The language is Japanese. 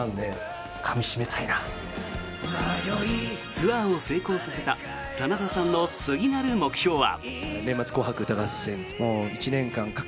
ツアーを成功させた真田さんの次なる目標は。